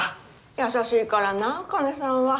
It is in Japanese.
優しいからな茜さんは。